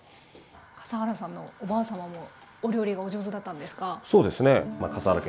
笠原さんのおばあさまもお料理がお上手だったんですか？